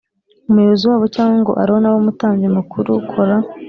Umuyobozi wabo cyangwa ngo aroni abe umutambyi mukuru kora